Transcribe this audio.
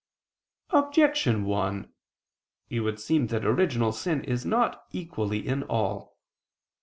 Objection 1: It would seem that original sin is not equally in all.